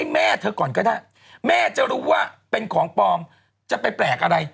ม่าจะรู้ว่าเป็นของปอมจะไปแปลกอะไร